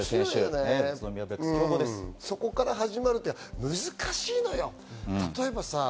「４７から始まる栃木県」って難しいのよ。